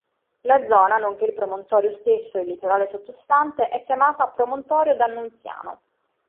La zona, nonché il promontorio stesso e il litorale sottostante, è chiamata "promontorio dannunziano".